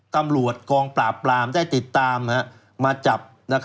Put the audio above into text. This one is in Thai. ตำรวจกองปราบปรามได้ติดตามมาจับ